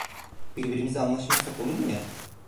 Birbirimizle anlaşmazsak olur mu ya?